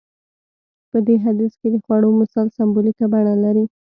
په دې حديث کې د خوړو مثال سمبوليکه بڼه لري.